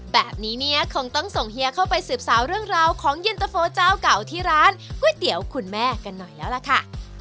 แบบนี้เนี่ยคงต้องส่งเฮียเข้าไปสืบสาวเรื่องราวของเย็นตะโฟเจ้าเก่าที่ร้านก๋วยเตี๋ยวคุณแม่กันหน่อยแล้วล่ะค่ะ